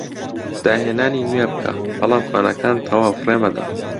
داهێنانی نوێ بکە بەڵام کۆنەکان تەواو فڕێ مەدە